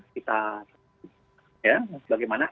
kita ya bagaimana